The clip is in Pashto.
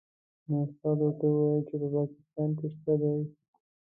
نو استاد ورته وویل چې په پاکستان کې شته دې.